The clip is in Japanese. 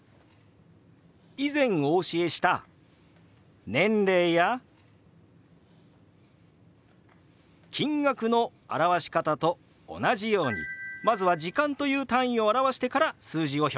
以前お教えした年齢や金額の表し方と同じようにまずは時間という単位を表してから数字を表現します。